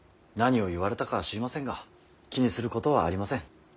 何を言われたか知りませんが気にすることはありません。